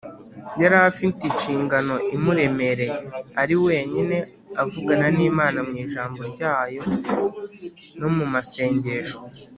. Yari afite inshingano imuremereye. Ari wenyine, avugana n’Imana mu Ijambo ryayo no mu masengesho